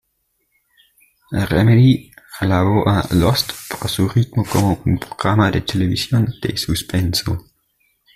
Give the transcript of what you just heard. Remedy alabó a "Lost" por su ritmo como un programa de televisión de suspenso.